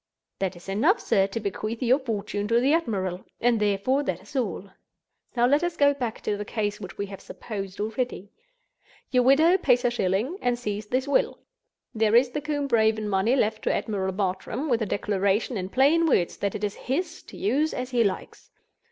"That is enough, sir, to bequeath your fortune to the admiral; and therefore that is all. Now let us go back to the case which we have supposed already. Your widow pays her shilling, and sees this will. There is the Combe Raven money left to Admiral Bartram, with a declaration in plain words that it is his, to use as he likes.